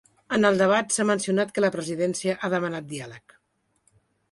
En el debat s’ha mencionat que la presidència ha demanat diàleg.